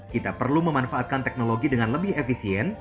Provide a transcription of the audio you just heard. kita perlu memanfaatkan teknologi dengan lebih efisien